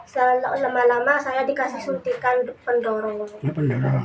selama lama saya dikasih suntikan untuk pendorong